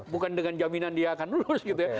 bukan dengan jaminan dia akan lulus gitu ya